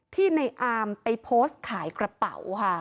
ที่ในอามไปโพสต์ขายกระเป๋าค่ะ